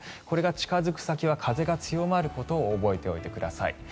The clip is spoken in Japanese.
これが近付く先は風が強まることを覚えておいてください。